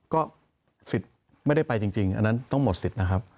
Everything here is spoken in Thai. ก็สิทธิ์ไม่ได้ไปจริงอันนั้นต้องหมดสิทธิ์นะครับ